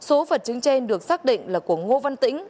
số vật chứng trên được xác định là của ngô văn tĩnh